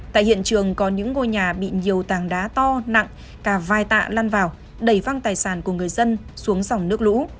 tại hiện trường có những ngôi nhà bị nhiều tàng đá to nặng cả vài tạ lăn vào đầy văng tài sản của người dân xuống dòng nước lũ